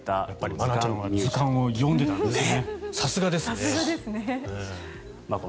愛菜ちゃんは図鑑を読んでたんですね。